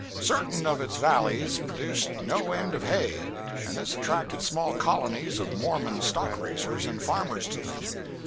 Certain of its valleys produced no end of hay, and this attracted small colonies of Mormon stock raisers and farmers to them.